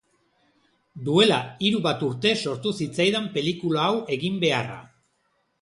Duela hiru bat urte sortu zitzaidan pelikula hau egin beharra.